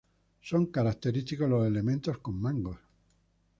Son característicos los elementos con mangos.